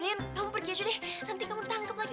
mungkin kamu pergi aja deh nanti kamu tangkep lagi